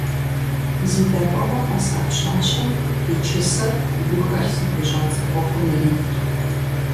Зи дэкӀуэгъуэ къэса пщащэм и чысэр гухэлъ зыхуищӀа цӀыхухъум иритырт.